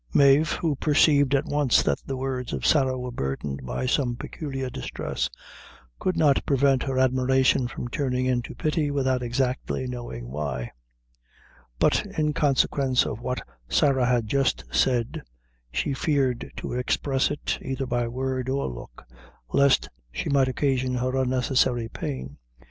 Mave, who perceived at once that the words of Sarah were burdened by some peculiar distress, could not prevent her admiration from turning into pity without exactly knowing why; but in consequence of what Sarah had just said, she feared to express it either by word or look, lest she might occasion her unnecessary pain.